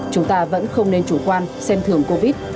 chúng ta vẫn không nên chủ quan xem thường covid